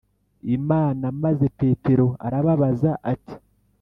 Imana Maze Petero arababaza ati